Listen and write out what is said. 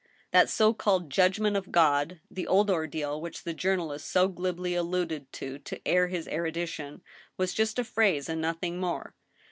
That so called judgment of God, the old ordeal which the jour nalist so glibly alluded to to air his erudition, was just a phrase and nothing more.